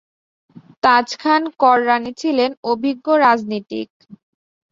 তাজখান কররানী ছিলেন অভিজ্ঞ রাজনীতিক।